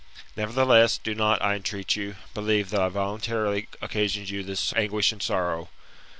Nevertheless, do not, I entreat you, believe that I voluntarily occasioned you this anguish and sorrow.